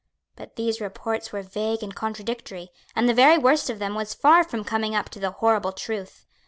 But these reports were vague and contradictory; and the very worst of them was far from coming up to the horrible truth.